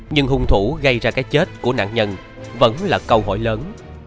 nhưng hung thủ gây ra cái chết của nạn nhân vẫn là câu hỏi lớn